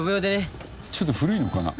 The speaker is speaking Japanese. ちょっと古いのかな？